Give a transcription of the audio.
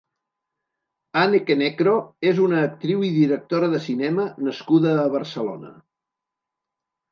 Anneke Necro és una actriu i directora de cinema nascuda a Barcelona.